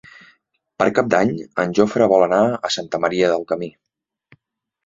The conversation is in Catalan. Per Cap d'Any en Jofre vol anar a Santa Maria del Camí.